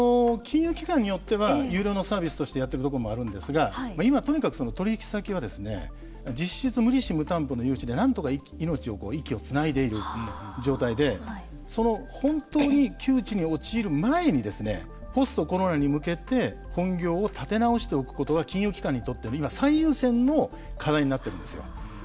金融機関によっては有料のサービスとしてやっているところもあるんですが今とにかく取引先は実質無利子・無担保の融資でなんとか命を息をつないでいる状態で本当に窮地に陥る前にポストコロナに向けて本業を立て直しておくことが金融機関にとって今最優先の課題になっているんですよ。